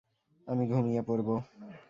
আমি ঘুমিয়ে পড়বো।